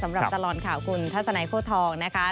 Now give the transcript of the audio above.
สำหรับตลอดข่าวคุณท่าสนัยพ่อทองนะครับ